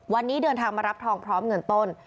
วันนี้เดินทางมารับทองพร้อมเงินต้น